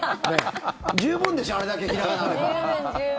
十分でしょあれだけひらがなで書けば。